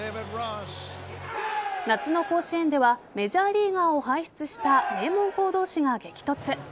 夏の甲子園ではメジャーリーガーを輩出した名門校同士が激突。